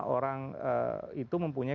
orang itu mempunyai